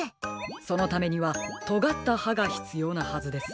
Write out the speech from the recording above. そのためにはとがったはがひつようなはずです。